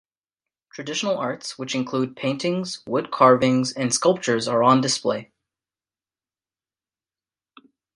Traditional arts which include paintings, wood carvings, and sculptures are on display.